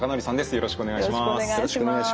よろしくお願いします。